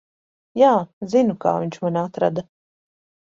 Jā, zinu, kā viņš mani atrada.